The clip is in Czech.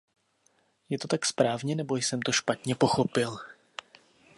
Je to tak správně nebo jsem to špatně pochopil?